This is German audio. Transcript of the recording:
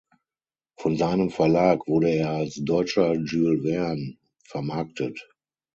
Von seinem Verlag wurde er als „deutscher Jules Verne“ vermarktet.